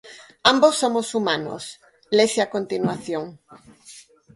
Ambos somos humanos, lese a continuación.